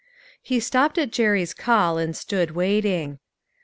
He stopped at Jerry's call, and stood waiting.